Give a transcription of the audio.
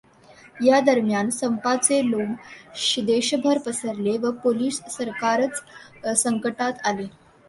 यादरम्यान संपाचे लोण देशभर पसरले व पोलिश सरकारच संकटात आले.